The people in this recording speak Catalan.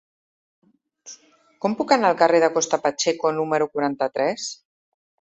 Com puc anar al carrer de Costa Pacheco número quaranta-tres?